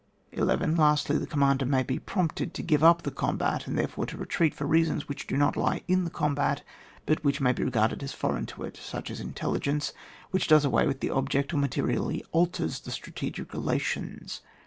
11. Lastly, the commander may be prompted to g^ve up the combat, and therefore to retreat for reasons which do not lie in the combat, but which may be regarded as foreign to it, such as intelli gence, which does away with the object, or materially alters the strategic rela tions.